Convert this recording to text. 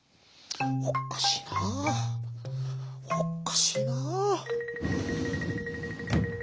「おっかしいな。おっかしいな」。